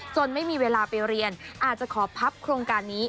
ไม่มีเวลาไปเรียนอาจจะขอพับโครงการนี้